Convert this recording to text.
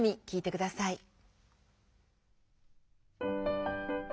きいてください。